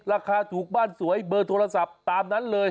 ราคาถูกบ้านสวยเบอร์โทรศัพท์ตามนั้นเลย